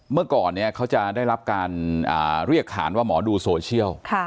เมื่อก่อนเขาจะได้รับการเรียกขานว่าหมอดูโซเชียล